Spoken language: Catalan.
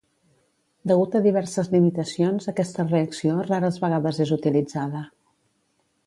Degut a diverses limitacions aquesta reacció rares vegades és utilitzada.